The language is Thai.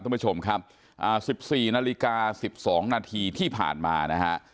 ท่านผู้ชมครับอ่าสิบสี่นาฬิกาสิบสองนาทีที่ผ่านมานะฮะ